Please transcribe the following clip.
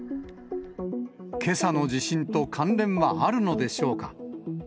けさの地震と関連はあるのでしょうか。